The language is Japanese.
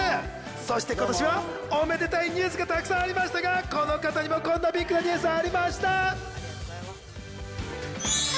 そして今年はおめでたいニュースがたくさんありましたがこの方にもこんなビッグなニュースありました！